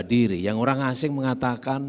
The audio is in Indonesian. diri yang orang asing mengatakan